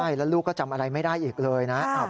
ใช่แล้วลูกก็จำอะไรไม่ได้อีกเลยนะ